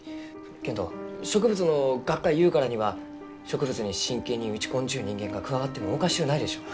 けんど植物の学会ゆうからには植物に真剣に打ち込んじゅう人間が加わってもおかしゅうないでしょう。